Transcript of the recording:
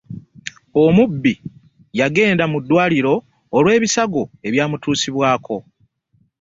Omubbi yagenda muddwaliro olwebisago ebyamutusibwako.